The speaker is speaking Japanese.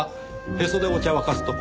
へそでお茶を沸かすとこ。